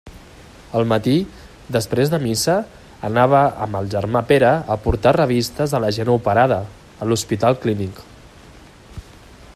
Al matí, després de missa, anava amb el germà Pere a portar revistes a la gent operada, a l'Hospital Clínic.